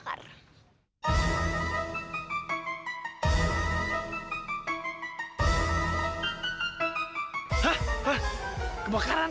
kemminyanya gue olurin tuan tuan